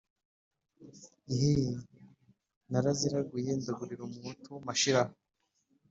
iheee! naraziraguye ndagurira umuhutu mashira